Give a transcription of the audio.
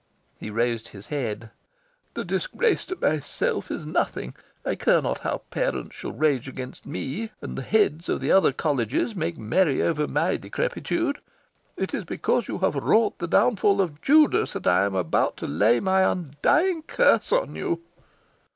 He raised his head. "The disgrace to myself is nothing. I care not how parents shall rage against me, and the Heads of other Colleges make merry over my decrepitude. It is because you have wrought the downfall of Judas that I am about to lay my undying curse on you."